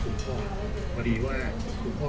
ส่วนยังแบร์ดแซมแบร์ด